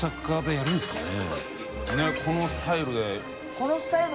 このスタイルで。